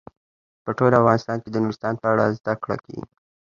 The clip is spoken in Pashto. په ټول افغانستان کې د نورستان په اړه زده کړه کېږي.